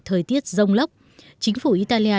thời tiết rông lốc chính phủ italia